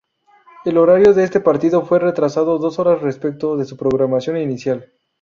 El horario de este partido fue retrasado dos horas respecto de su programación inicial.